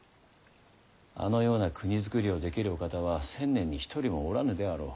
あのような国づくりをできるお方は千年に一人もおらぬであろう。